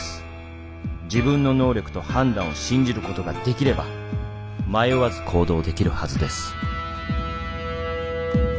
自分の能力と判断を信じることができれば迷わず行動できるはずです」。